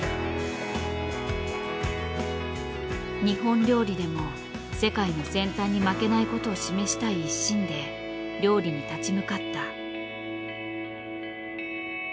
日本料理でも世界の先端に負けない事を示したい一心で料理に立ち向かった。